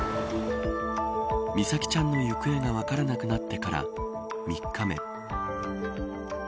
美咲ちゃんの行方が分からなくなってから３日目